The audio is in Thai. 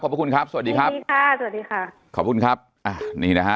ขอบคุณครับสวัสดีครับสวัสดีค่ะสวัสดีค่ะขอบคุณครับอ่านี่นะฮะ